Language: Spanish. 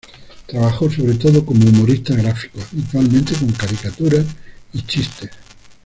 Trabajó sobre todo como humorista gráfico habitualmente con caricaturas y chistes.